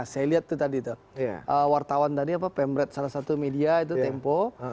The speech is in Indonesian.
saya lihat itu tadi wartawan dari pemret salah satu media itu tempo